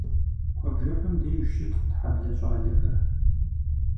Куэбжэпэм деж щытт хьэблэ щӏалэхэр.